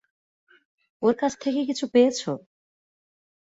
ওর কাছ থেকে কিছু পেয়েছ?